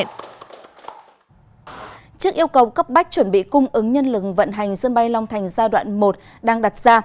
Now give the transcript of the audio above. trước yêu cầu cấp bách chuẩn bị cung ứng nhân lực vận hành sân bay long thành giai đoạn một đang đặt ra